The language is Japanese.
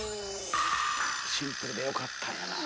シンプルでよかったんやなあ。